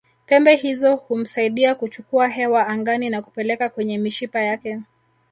Pembe hizo humsaidia kuchukua hewa angani na kupeleka kwenye mishipa yake